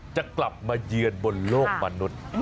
จะกลับมาเยือนบนโลกมนุษย์